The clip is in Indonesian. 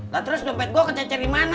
lo terus dompet gue kececer di mana